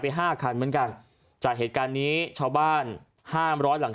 ห้าคันเหมือนกันจากเหตุการณ์นี้ชาวบ้านห้ามร้อยหลัง